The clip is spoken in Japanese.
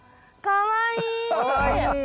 かわいい！